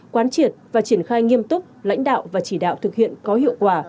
quán triệt và triển khai nghiêm túc lãnh đạo và chỉ đạo thực hiện có hiệu quả